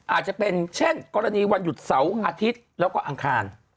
อาจจะเป็นเช่นกรณีวันหยุดเสาร์อาทิตย์แล้วก็อังคาร